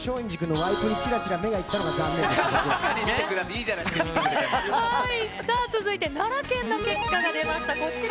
ちょっと松陰寺君のワイプにちらちら目が行ったのが、ちょっと残続いて、奈良県の結果が出ました、こちら。